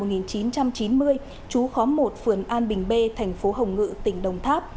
trú khóm một phường an bình bê tp hồng ngự tỉnh đồng tháp